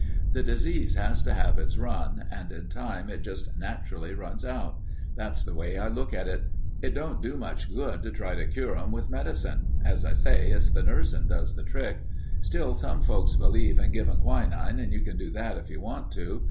The disease has to have its run, and in time it just naturally runs out. That's the way I look at it. It don't do much good to try to cure 'em with medicine. As I say, it's the nursin' does the trick. Still, some folks believe in givin' quinine and you can do that if you want to.